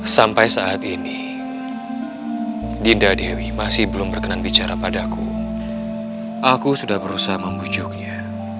sampai jumpa di video selanjutnya